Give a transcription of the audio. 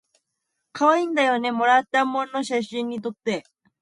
かわいいんだよねもらったもの写真にとって